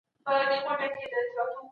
نوموړي د ماليې وزير په توګه دنده ترسره کړه.